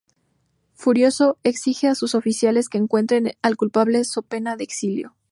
Furioso, exige a sus oficiales que encuentren al culpable so pena de exilio.